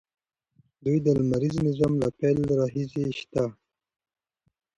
دوی د لمریز نظام له پیل راهیسې شته.